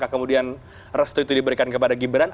kemudian restu itu diberikan kepada gibran